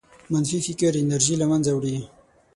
منفي فکر انرژي له منځه وړي.